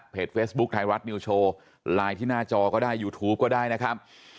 เฟซบุ๊คไทยรัฐนิวโชว์ไลน์ที่หน้าจอก็ได้ยูทูปก็ได้นะครับ